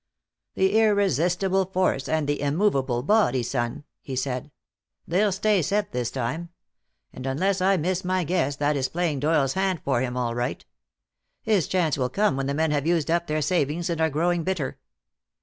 "The irresistible force and the immovable body, son," he said. "They'll stay set this time. And unless I miss my guess that is playing Doyle's hand for him, all right. His chance will come when the men have used up their savings and are growing bitter.